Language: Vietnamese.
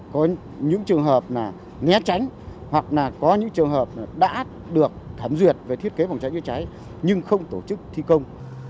có những trường hợp là né tránh hoặc là có những trường hợp đã được thẩm duyệt về thiết kế phòng cháy chữa cháy nhưng không tổ chức thi công